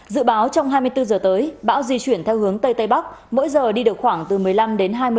dự báo trong hai mươi bốn giờ tới bão di chuyển theo hướng tây tây bắc mỗi giờ đi được khoảng từ một mươi năm đến hai mươi